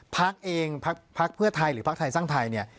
พรรคเองพรรคเพื่อไทยหรือพรรคไทยสร้างไทยเนี่ย